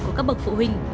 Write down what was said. của các bậc phụ huynh